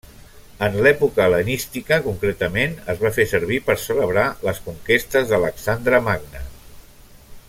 En l'època hel·lenística, concretament es va fer servir per celebrar les conquestes d'Alexandre Magne.